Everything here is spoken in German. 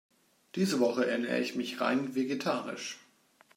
Diese Woche ernähre ich mich rein vegetarisch.